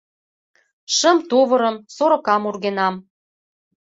Шым тувырым, сорокам ургенам.